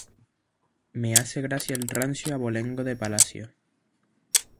Me hace gracia el rancio abolengo de palacio